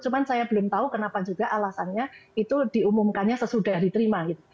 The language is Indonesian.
cuma saya belum tahu kenapa juga alasannya itu diumumkannya sesudah diterima